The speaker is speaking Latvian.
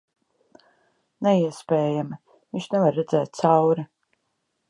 Neiespējami. Viņš nevar redzēt cauri...